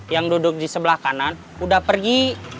yang duduk di sebelah kanan udah pergi